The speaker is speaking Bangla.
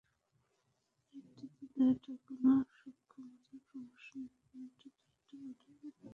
নেতৃত্ব দেওয়াটা কোনও সক্ষমতার প্রশ্ন না, এটা দায়িত্ববোধের ব্যাপার।